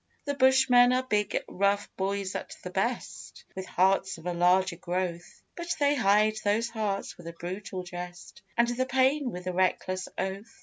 The bushmen are big rough boys at the best, With hearts of a larger growth; But they hide those hearts with a brutal jest, And the pain with a reckless oath.